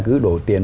cứ đổ tiền